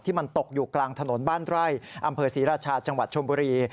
มันตกอยู่กลางถนนบ้านไร่อำเภอศรีราชาจังหวัดชมบุรี